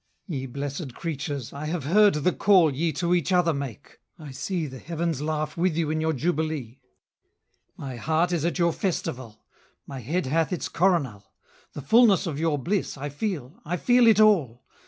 Ye blessèd creatures, I have heard the call Ye to each other make; I see The heavens laugh with you in your jubilee; My heart is at your festival, 40 My head hath its coronal, The fulness of your bliss, I feel—I feel it all.